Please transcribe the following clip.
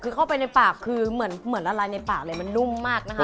คือเข้าไปในปากคือเหมือนอะไรในปากเลยมันนุ่มมากนะคะ